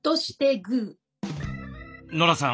ノラさん